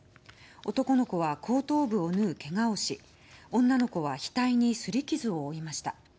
男の子は後頭部を縫うけがをし女の子は額にすり傷を負いました。